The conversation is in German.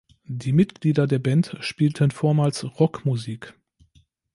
Die Mitglieder der Band spielten vormals Rockmusik.